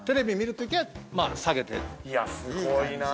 いやすごいなぁ。